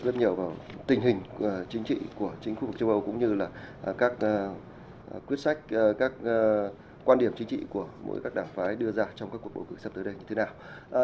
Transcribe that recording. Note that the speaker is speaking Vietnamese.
rất nhiều vào tình hình chính trị của chính khu vực châu âu cũng như là các quyết sách các quan điểm chính trị của mỗi các đảng phái đưa ra trong các cuộc bầu cử sắp tới đây như thế nào